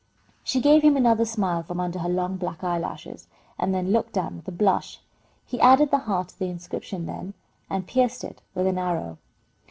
She gave him another smile from under her long black eyelashes, and then looked down with a blush. He added the heart to the inscription then, and pierced it with an arrow.